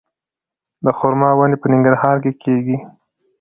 د خرما ونې په ننګرهار کې کیږي؟